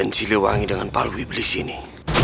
dan silih wangi dengan palu iblis ini